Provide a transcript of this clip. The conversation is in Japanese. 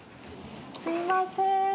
すいませーん。